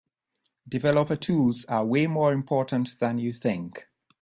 Developer Tools are way more important than you think.